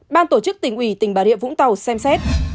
ban tổ chức tỉnh ủy tỉnh bà rịa vũng tàu xem xét